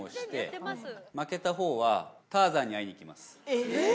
えっ？